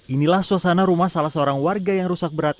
inilah suasana rumah salah seorang warga yang rusak berat